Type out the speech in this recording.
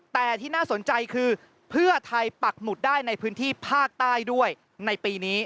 แต่ที่น่าสนใจคือเพื่อไทยปักหมุดได้ในพื้นที่ภาคใต้ด้วยในปีนี้